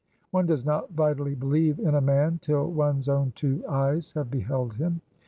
One does not vitally believe in a man till one's own two eyes have beheld him.